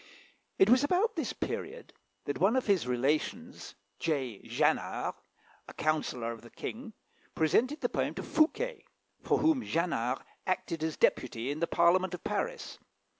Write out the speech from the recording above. It was about this period that one of his relations, J. Jannart, a counsellor of the king, presented the poet to Fouquet, for whom Jannart acted as deputy in the Parliament of Paris.